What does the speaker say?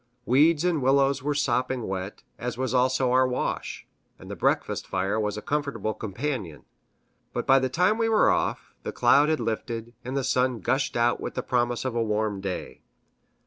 Weeds and willows were sopping wet, as was also our wash, and the breakfast fire was a comfortable companion. But by the time we were off, the cloud had lifted, and the sun gushed out with promise of a warm day.